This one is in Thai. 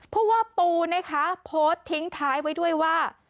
ผู้ว่าปูนะคะโพสต์ทิ้งท้ายไว้ด้วยว่า